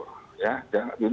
ini akan menggambarkan